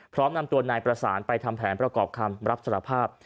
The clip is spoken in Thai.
พร้อมนำตัวนายประสานไปทำแผนประกอบคำรับสารภาพ